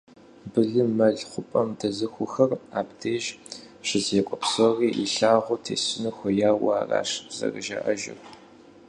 Былым, мэл хъупӏэм дэзыхухэр, абдеж щызекӏуэ псори илъагъуу тесыну хуеяуэ аращ зэрыжаӏэжыр.